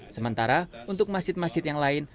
sementara untuk masjid masjid yang lain